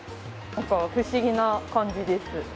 不思議な感じです。